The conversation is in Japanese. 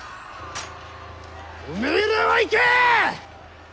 おめえらは行け！